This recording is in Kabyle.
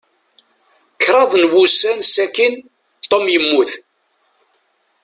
Kṛaḍ n wussan sakin, Tom yemmut.